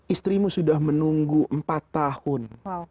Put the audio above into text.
istrimu sudah menunggu empat tahun